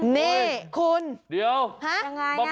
นี่คุณฮะยังไงน่ะ